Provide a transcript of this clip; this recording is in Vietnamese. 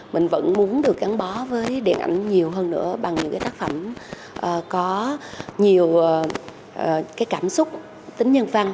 mình vẫn muốn được gắn bó với điện ảnh nhiều hơn nữa bằng những cái tác phẩm có nhiều cái cảm xúc tính nhân văn